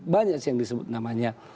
banyak sih yang disebut namanya